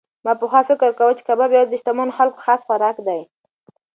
ما پخوا فکر کاوه چې کباب یوازې د شتمنو خلکو خاص خوراک دی.